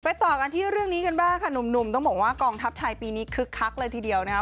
ต่อกันที่เรื่องนี้กันบ้างค่ะหนุ่มต้องบอกว่ากองทัพไทยปีนี้คึกคักเลยทีเดียวนะครับ